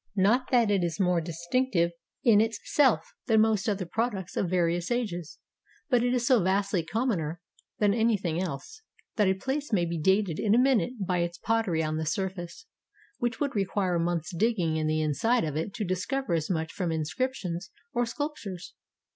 Not that it is more 77 EGYPT distinctive in itself than most other products of various ages; but it is so vastly commoner than anything else, that a place may be dated in a minute by its pottery on the surface, which would require a month's digging in the inside of it to discover as much from inscriptions or sculptures.